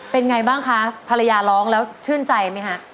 เป็นไงบ้างคะภรรยาร้องแล้วชื่นใจไหมฮะ